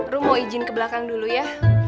ruh mau izin ke belakang dulu ya